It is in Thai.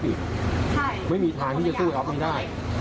พี่เมย์ไม่รู้เรื่องใจเรื่องใจ